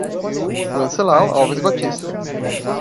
Wencelau Alves Batista